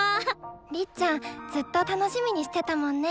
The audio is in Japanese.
りっちゃんずっと楽しみにしてたもんね。